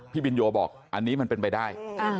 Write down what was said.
พี่บินโยบอกอันนี้มันเป็นไปได้